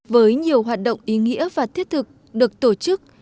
với nhiều hoạt động ý nghĩa và thiết thực được tổ chức